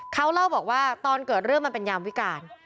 เขาเล่าบอกว่าตอนเกิดเรื่องมันเป็นยามวิการ